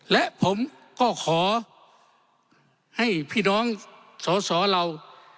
และผมก็ขอให้พี่น้องสอสอเรา